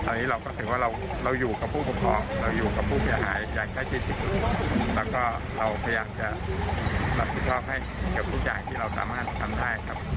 อันนี้เราก็ถือว่าเราอยู่กับผู้ปกครองเราอยู่กับผู้เสียหายอย่างใกล้ชิดแล้วก็เราพยายามจะรับผิดชอบให้กับผู้ใหญ่ที่เราสามารถทำได้ครับ